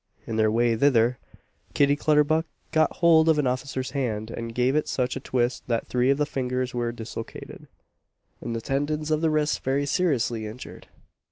In their way thither, Kitty Clutterbuck got hold of an officer's hand, and gave it such a twist that three of the fingers were dislocated, and the tendons of the wrist very seriously injured.